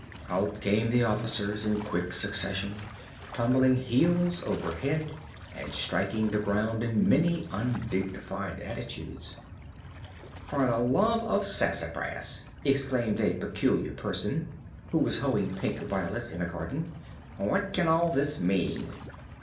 Out came the officers, in quick succession, tumbling heels over head and striking the ground in many undignified attitudes. "For the love of sassafras!" exclaimed a Peculiar Person who was hoeing pink violets in a garden. "What can all this mean?"